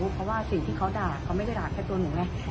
เพราะว่าสิ่งที่เขาด่าเขาไม่ได้ด่าแค่ตัวหนูไง